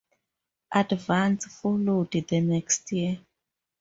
"Advance" followed the next day.